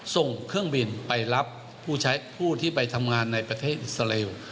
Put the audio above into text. ส่งเครื่องบินไปรับผู้ใช้ผู้ที่ไปทำงานในประเทศอิสราเอล